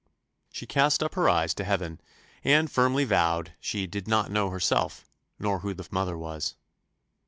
She cast up her eyes to Heaven, and firmly vowed she "did not know herself nor who the mother was."